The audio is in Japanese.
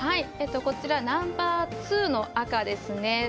こちらナンバー２の赤ですね。